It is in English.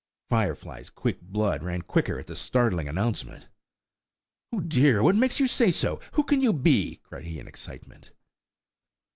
Firefly's quick blood ran quicker at the startling announcement. "Oh, dear, what makes you say so? Who can you be?" cried he in excitement.